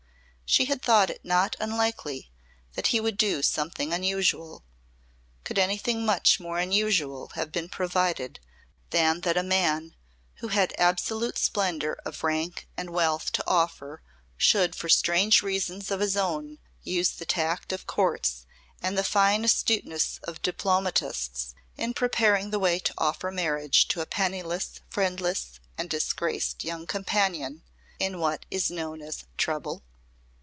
She had thought it not unlikely that he would do something unusual. Could anything much more unusual have been provided than that a man, who had absolute splendour of rank and wealth to offer, should for strange reasons of his own use the tact of courts and the fine astuteness of diplomatists in preparing the way to offer marriage to a penniless, friendless and disgraced young "companion" in what is known as "trouble"?